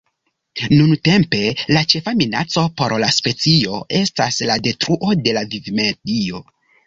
Nuntempe, la ĉefa minaco por la specio estas la detruo de la vivmedio.